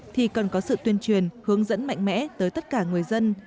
thì cần có sự tuyên truyền hướng dẫn mạnh mẽ tới tất cả người dân